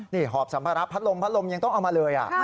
นี่หอบสัมภาระพัดลมพัดลมยังต้องเอามาเลย